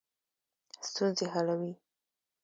ستونزې حلوي.